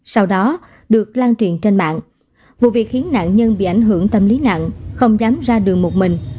sau đó được lan truyền trên mạng vụ việc khiến nạn nhân bị ảnh hưởng tâm lý nặng không dám ra đường một mình